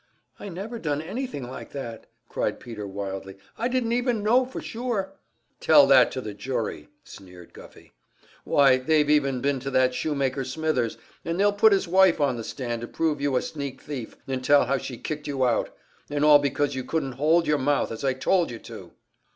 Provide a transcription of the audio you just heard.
"I never done anything like that!" cried Peter wildly. "I didn't even know for sure." "Tell that to the jury!" sneered Guffey. "Why, they've even been to that Shoemaker Smithers, and they'll put his wife on the stand to prove you a sneak thief, and tell how she kicked you out. And all because you couldn't hold your mouth as I told you to!"